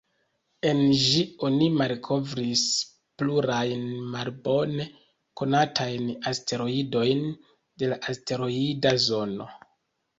En ĝi oni malkovris plurajn malbone konatajn asteroidojn de la asteroida zono.